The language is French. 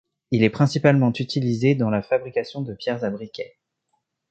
Il est principalement utilisé dans la fabrication de pierres à briquet.